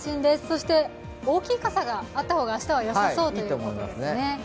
そして、大きい傘があった方が良さそうということですね。